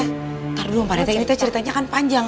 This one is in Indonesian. ntar dulu pak rt ini ceritanya kan panjang